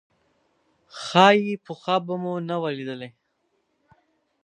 ښايي پخوا به مو نه وه لیدلې.